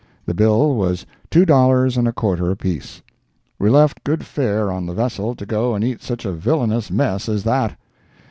The bill was two dollars and a quarter apiece. We left good fare on the vessel to go and eat such a villainous mess as that.